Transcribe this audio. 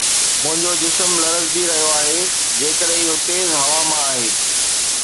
منهنجو جسم لرزجي رهيو آهي جيڪڏهن اهو تيز هوا مان آهي